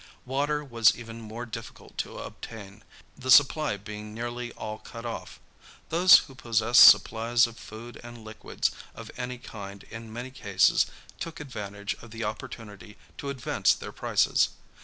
Water was even more difficult to obtain, the supply being nearly all cut off. Those who possessed supplies of food and liquids of any kind in many cases took advantage of the opportunity to advance their prices.